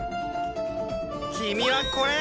君はこれ！